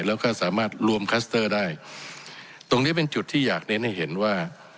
แล้วก็สามารถรวมคัสเตอร์ได้ตรงนี้เป็นจุดที่อยากเน้นให้เห็นว่า